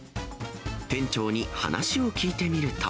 店長に話を聞いてみると。